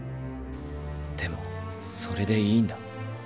でもそれでいいんだ。